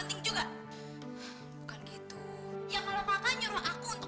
adik lo makan di les loang oe